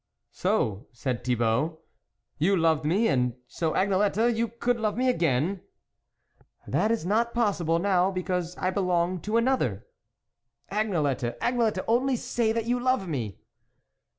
" So," said Thibault, " you loved me ? and so, Agnelette you could love me again ?"" That is impossible now because I belong to another." " Agnelette, Agnelette ! only say that you love me